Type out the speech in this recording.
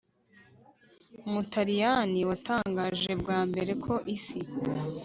umutaliyani watangaje bwa mbere ko isi